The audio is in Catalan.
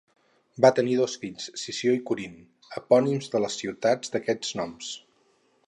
Va tenir dos fills, Sició i Corint, epònims de les ciutats d'aquests noms.